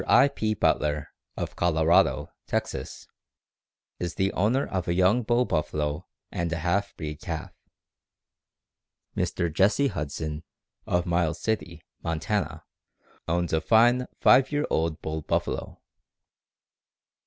I. P. Butler, of Colorado, Texas_, is the owner of a young bull buffalo and a half breed calf. Mr. Jesse Huston, of Miles City, Montana, owns a fine five year old bull buffalo.